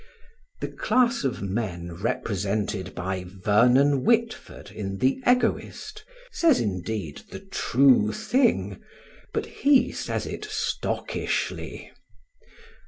The class of men represented by Vernon Whitford in The Egoist, says, indeed, the true thing, but he says it stockishly.